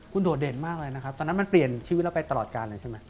คุณโดดเด่นมากเลยนะครับตอนนั้นมันเปลี่ยนชีวิตเราไปตลอดการเลยใช่ไหม